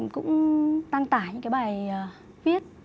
cũng tăng tải những bài viết